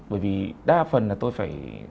bởi vì đa phần là tôi phải